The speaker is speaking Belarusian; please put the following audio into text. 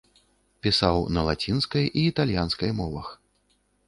Пісаў на лацінскай і італьянскай мовах.